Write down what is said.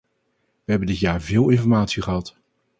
We hebben dit jaar veel informatie gehad.